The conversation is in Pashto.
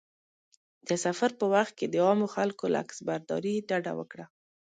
د سفر په وخت کې د عامو خلکو له عکسبرداري ډډه وکړه.